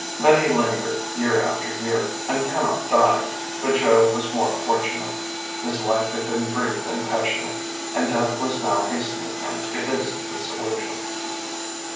Many linger year after year, and cannot die; but Joe was more fortunate. His life had been brief and passionate, and death was now hastening him to his dissolution.